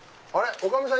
女将さん